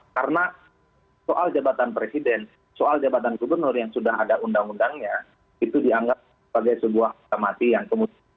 karena soal jabatan presiden soal jabatan gubernur yang sudah ada undang undangnya itu dianggap sebagai sebuah mati yang kemudian